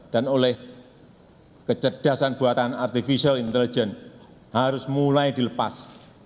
dan oleh kecerdasan buatan artificial intelligence harus mulai dilepas